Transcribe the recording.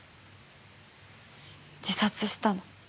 自殺したの？